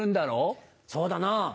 そうだな。